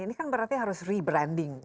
ini kan berarti harus rebranding